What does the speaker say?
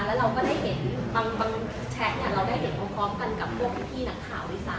แล้วเราก็ได้เห็นบางแชทเราได้เห็นพร้อมกันกับพวกพี่นักข่าวด้วยซ้ำ